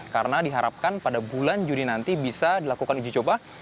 karena diharapkan pada bulan juni nanti bisa dilakukan uji coba